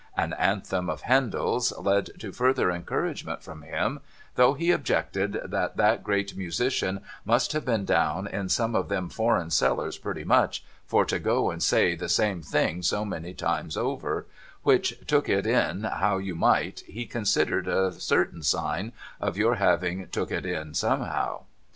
An anthem of Handel's led to further encouragement from him : though he objected that that great musician must have been down in some of them foreign cellars pretty much, for to go and say the same thing so many times over ; which, took it in how you might, he considered a certain sign of your having took it in somehow.